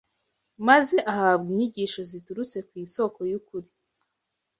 maze ahabwa inyigisho ziturutse kuri Sōko y’ukuri.